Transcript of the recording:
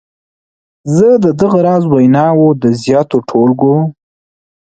زه د دغه راز ویناوو د زیاتو ټولګو.